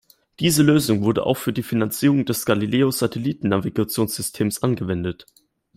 Diese Lösung wurde auch für die Finanzierung des Galileo-Satellitennavigationssystems angewendet.